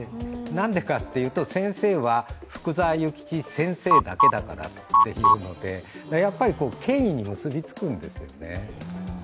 なんでかっていうと、先生は福沢諭吉先生だけだっていうのでやっぱり権威にすりつくんですよね。